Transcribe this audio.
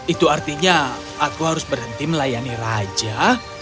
itu artinya aku harus berhenti melayani raja